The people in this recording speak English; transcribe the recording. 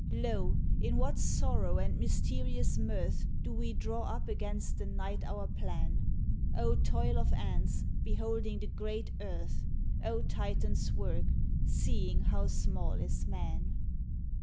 Lo ! in what sorrow and mysterious mirth Do we draw up against the Night our plan ! O toil of ants, beholding the great Earth! O Titans work, seeing how small is man